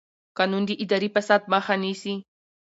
قانون د اداري فساد مخه نیسي.